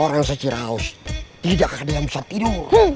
orang se cirehouse tidak ada yang bisa tidur